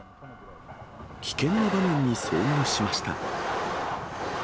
危険な場面に遭遇しました。